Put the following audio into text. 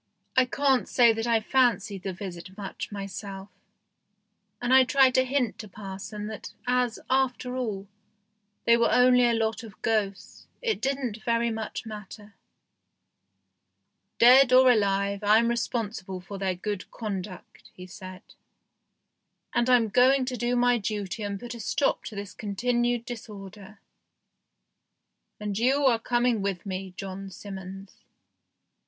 I can't say that I fancied the visit much 12 THE GHOST SHIP myself, and I tried to hint to parson that as, after all, they were only a lot of ghosts, it didn't very much matter. "Dead or alive, I'm responsible for their good conduct," he said, "and I'm going to do my duty and put a stop to this continued disorder. And you are coming with me, John Simmons."